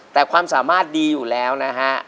แต่ความสามารถดีอยู่แล้วนะฮะ